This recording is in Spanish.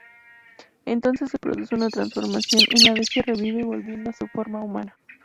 Entonces se produce una transformación y la Bestia revive volviendo a su forma humana.